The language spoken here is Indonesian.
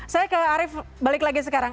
saya ke arief balik lagi sekarang